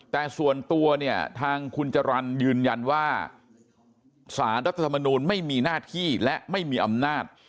แต่ส่วนตัวเนี่ยทางคุณจรรย์ยืนยันว่าสารรัฐธรรมนูลไม่มีหน้าที่และไม่มีอำนาจ